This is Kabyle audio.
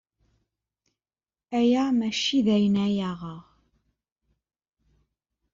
Aya mačči d ayen ara aɣeɣ.